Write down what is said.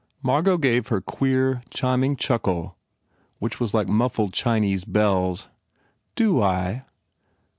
Margot gave her queer, chiming chuckle which was like muffled Chinese bells. u Do I